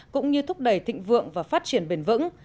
cũng như thúc đẩy thịnh vượng và phát triển bền vững